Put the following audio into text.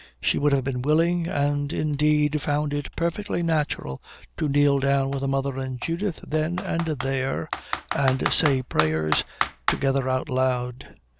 She would have been willing, and indeed found it perfectly natural, to kneel down with her mother and Judith then and there and say prayers together out loud.